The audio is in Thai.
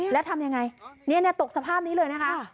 แล้วทำยังไงเนี่ยเนี่ยตกสภาพนี้เลยนะคะอ้าว